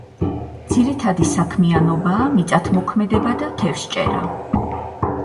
ძირითადი საქმიანობაა მიწათმოქმედება და თევზჭერა.